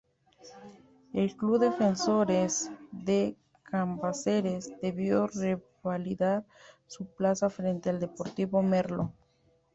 El Club Defensores de Cambaceres debió revalidar su plaza frente al Deportivo Merlo.